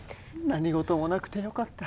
何事もなくてよかった。